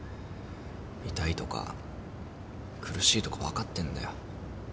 痛いとか苦しいとか分かってんだよ。